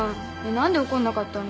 何で怒んなかったの？